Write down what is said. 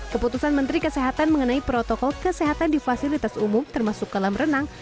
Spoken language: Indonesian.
keputusan menteri kesehatan mengenai protokol kesehatan di fasilitas umum termasuk kolam renang